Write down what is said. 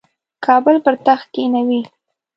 کابل پر تخت کښېنوي.